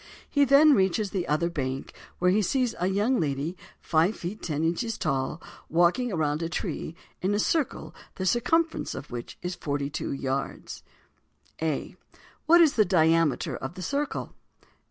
He then reaches the other bank, where he sees a young lady five feet ten inches tall, walking around a tree, in a circle the circumference of which is forty two yards._ _A. What is the diameter of the circle?